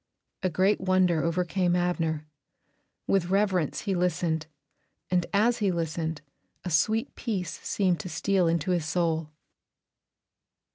A great wonder overcame Abner. With reverence he listened, and as he listened a sweet peace seemed to steal into his soul.